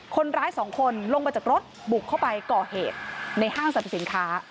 คนร้ายสองคนลงมาจากรถบุกเข้าไปก่อเหตุในห้างสรรพสินค้า